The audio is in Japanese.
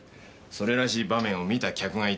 それらしい場面を見た客がいたよ。